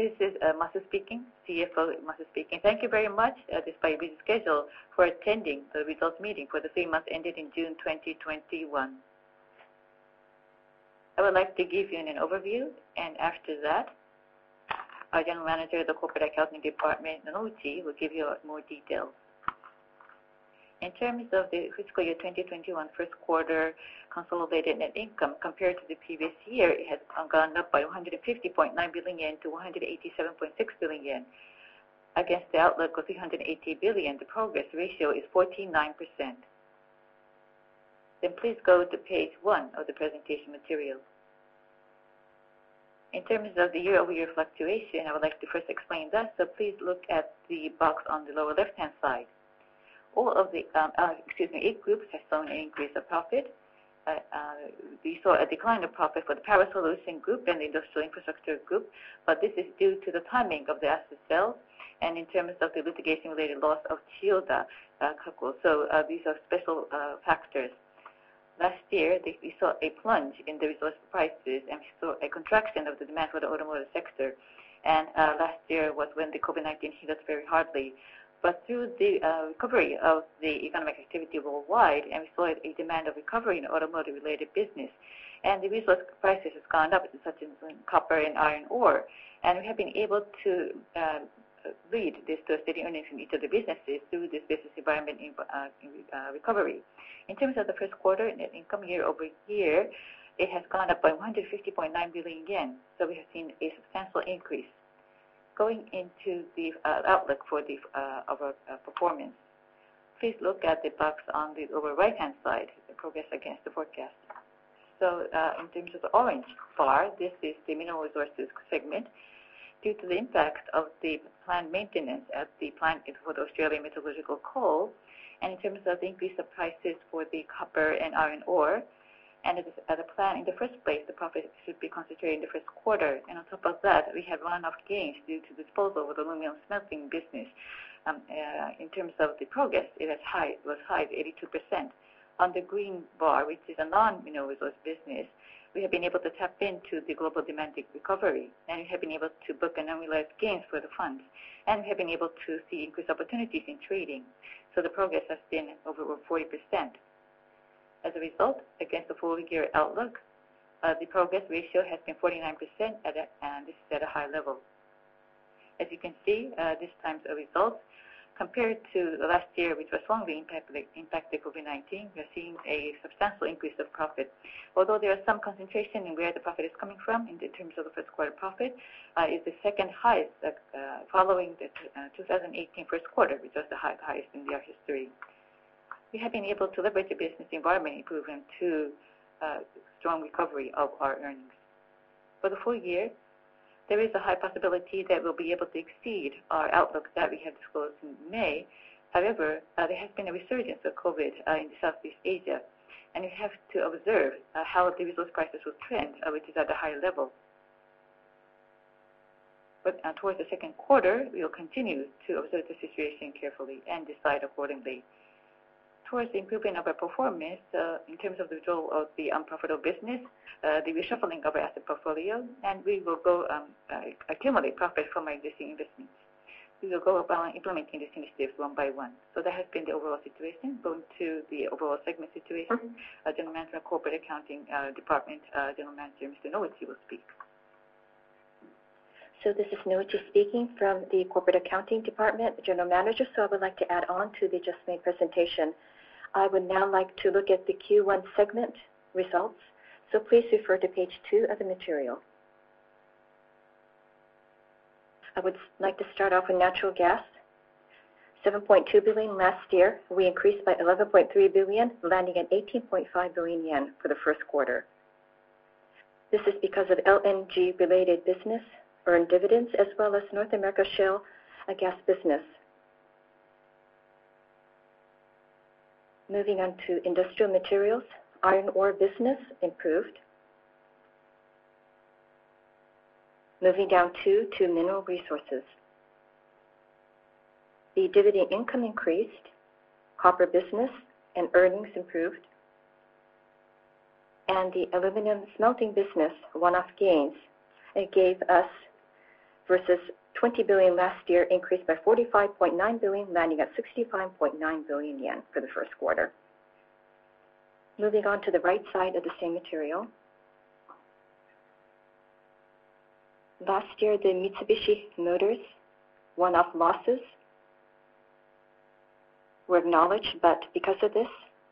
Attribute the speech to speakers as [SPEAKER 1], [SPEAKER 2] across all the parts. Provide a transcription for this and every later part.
[SPEAKER 1] This is Masu speaking, CFO Masu speaking. Thank you very much, despite your busy schedule, for attending the results meeting for the three months that ended in June 2021. I would like to give you an overview, and after that, our General Manager of the Corporate Accounting Department, Nouchi, will give you more details. In terms of the fiscal year 2021 first quarter consolidated net income, compared to the previous year, it has gone up by 150.9 billion yen to 187.6 billion yen. Against the outlook of 380 billion, the progress ratio is 49%. Please go to page 1 of the presentation material. In terms of the year-over-year fluctuation, I would like to first explain that, so please look at the box on the lower left-hand side. 8 groups have shown an increase of profit. We saw a decline of profit for the Power Solution Group and the Industrial Infrastructure Group, but this is due to the timing of the asset sale and in terms of the litigation-related loss of J-POWER. These are special factors. Last year, we saw a plunge in the resource prices, and we saw a contraction of the demand for the automotive sector. Last year was when the COVID-19 hit us very hardly. Through the recovery of the economic activity worldwide, we saw a demand recovery in automotive-related business, and the resource prices have gone up, such as in copper and iron ore. We have been able to reap the steady earnings from each of the businesses through this business environment recovery. In terms of the first quarter net income year-over-year, it has gone up by 150.9 billion yen, so we have seen a substantial increase. Going into the outlook for our performance, please look at the box on the upper right-hand side, the progress against the forecast. In terms of the orange bar, this is the Mineral Resources segment. Due to the impact of the planned maintenance at the plant for the Australian metallurgical coal, in terms of the increase of prices for the copper and iron ore, as a plan in the first place, the profit should be concentrated in the first quarter. On top of that, we have one-off gains due to disposal of the aluminum smelting business. In terms of the progress, it was high at 82%. On the green bar, which is a non-mineral resource business, we have been able to tap into the global demand recovery, and we have been able to book anomaly games for the funds, and we have been able to see increased opportunities in trading. The progress has been over 40%. As a result, against the full-year outlook, the progress ratio has been 49%, and this is at a high level. As you can see, this time the results, compared to last year, which was strongly impacted by COVID-19, we are seeing a substantial increase of profit. Although there are some concentration in where the profit is coming from in terms of the first quarter profit, it's the second highest following the 2018 first quarter, which was the highest in our history. We have been able to leverage the business environment improvement to strong recovery of our earnings. For the full year, there is a high possibility that we'll be able to exceed our outlook that we had disclosed in May. There has been a resurgence of COVID-19 in Southeast Asia, and we have to observe how the resource prices will trend, which is at a high level. Towards the second quarter, we will continue to observe the situation carefully and decide accordingly. Towards the improvement of our performance, in terms of the withdrawal of the unprofitable business, the reshuffling of our asset portfolio, and we will accumulate profit from our existing investments. We will go about implementing these initiatives one by one. That has been the overall situation. Going to the overall segment situation, General Manager of Corporate Accounting Department, General Manager Mr. Nouchi, will speak.
[SPEAKER 2] This is Yuzo Nouchi speaking from the Corporate Accounting Department, General Manager. I would like to add on to the just-made presentation. I would now like to look at the Q1 segment results. Please refer to page two of the material. I would like to start off with Natural Gas, 7.2 billion last year. We increased by 11.3 billion, landing at 18.5 billion yen for the first quarter. This is because of LNG-related business, earned dividends, as well as North America shale gas business. Moving on to Industrial Materials, iron ore business improved. Moving down to Mineral Resources. The dividend income increased, copper business and earnings improved, and the aluminum smelting business one-off gains gave us versus 20 billion last year, increased by 45.9 billion, landing at 65.9 billion yen for the first quarter. Moving on to the right side of the same material. Last year, the Mitsubishi Motors one-off losses were acknowledged, because of this,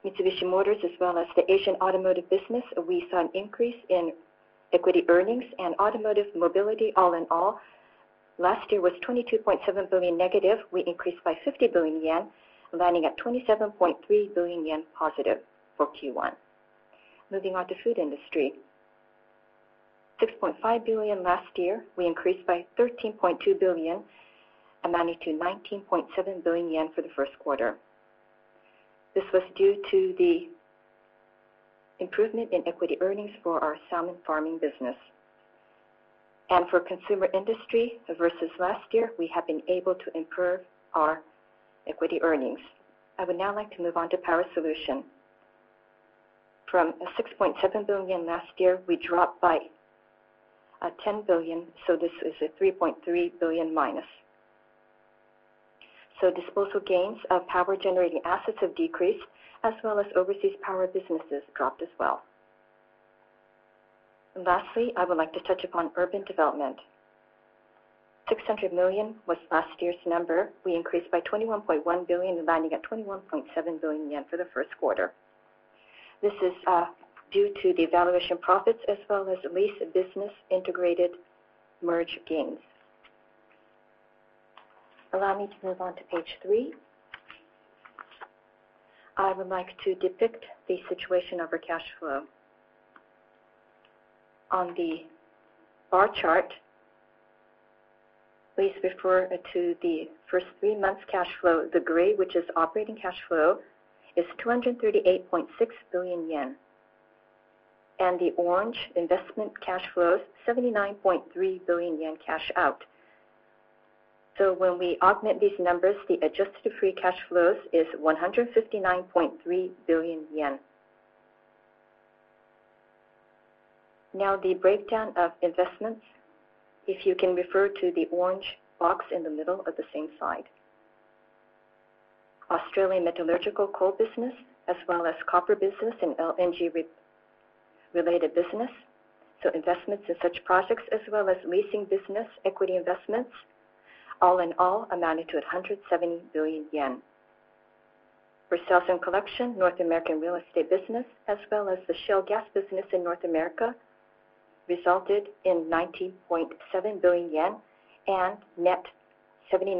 [SPEAKER 2] Mitsubishi Motors as well as the Asian automotive business, we saw an increase in equity earnings and automotive mobility all in all. Last year was 22.7 billion negative. We increased by 50 billion yen, landing at 27.3 billion yen positive for Q1. Food Industry, 6.5 billion last year. We increased by 13.2 billion, amounting to 19.7 billion yen for the first quarter. This was due to the improvement in equity earnings for our salmon farming business. For Consumer Industry, versus last year, we have been able to improve our equity earnings. I would now like to move on to Power Solution. From 6.7 billion last year, we dropped by 10 billion, this is a 3.3 billion minus. Disposal gains of power-generating assets have decreased, as well as overseas power businesses dropped as well. Lastly, I would like to touch upon Urban Development. 600 million was last year's number. We increased by 21.1 billion, landing at 21.7 billion yen for the first quarter. This is due to the evaluation profits as well as lease business integrated merge gains. Allow me to move on to page three. I would like to depict the situation of our cash flow. On the bar chart, please refer to the first three months cash flow. The gray, which is operating cash flow, is 238.6 billion yen. The orange, investment cash flows, 79.3 billion yen cash out. When we augment these numbers, the adjusted free cash flows is 159.3 billion yen. The breakdown of investments, if you can refer to the orange box in the middle of the same slide. Australian Metallurgical Coal business, as well as copper business and LNG-related business. Investments in such projects as well as leasing business, equity investments, all in all amounted to 170 billion yen. For sales and collection, North American real estate business, as well as the shale gas business in North America, resulted in 90.7 billion yen and net 78.